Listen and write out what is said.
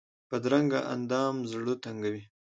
بدرنګه اندام زړه تنګوي